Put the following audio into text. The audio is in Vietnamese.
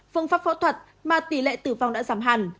phương pháp phẫu thuật mà tỷ lệ tử vong đã giảm hẳn